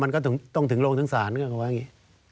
มันก็ต้องถึงโรงถึงศาลก็ว่าอย่างนี้